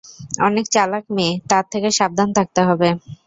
অনেক চালাক মেয়ে, তার থেকে সাবধান থাকতে হবে।